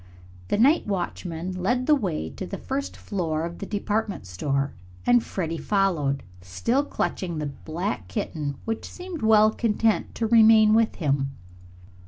The night watchman led the way to the first floor of the department store and Freddie followed, still clutching the black kitten, which seemed well content to remain with him.